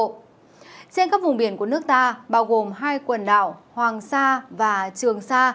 trên các vùng biển của nước ta bao gồm hai quần đảo hoàng sa và trường sa